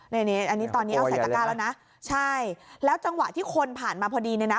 นี่อันนี้ตอนนี้เอาใส่ตะก้าแล้วนะใช่แล้วจังหวะที่คนผ่านมาพอดีเนี่ยนะ